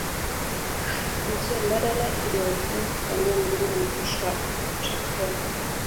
Wjia mbadala iliyowekwa kupandia mlima ni trakea